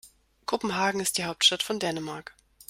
Kopenhagen ist die Hauptstadt von Dänemark.